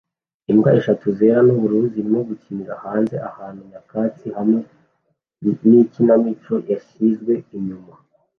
Imbwa eshatu zera nubururu zirimo gukinira hanze ahantu nyakatsi hamwe nikinamico yashyizwe inyuma